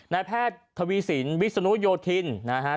นายแพทย์ทวีสินวิศนุโยธินนะฮะ